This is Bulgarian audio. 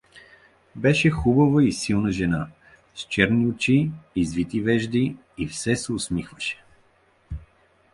Беше хубава, силна жена, с черни очи, с извити вежди, И все се усмихваше.